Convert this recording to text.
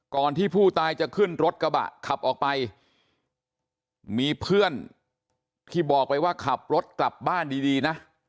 ที่ผู้ตายจะขึ้นรถกระบะขับออกไปมีเพื่อนที่บอกไปว่าขับรถกลับบ้านดีนะ